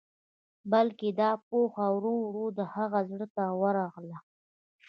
بلکې دا پوهه ورو ورو د هغه زړه ته ورغله.